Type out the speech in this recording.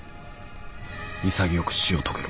潔く死を遂げろ。